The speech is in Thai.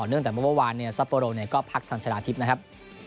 เนื่องจากเมื่อวานเนี่ยซัปโปโรก็พักทางชนะทิพย์นะครับ